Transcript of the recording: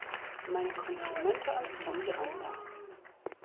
Meine Komplimente an Frau Miranda.